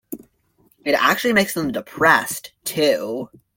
It actually makes them depressed too.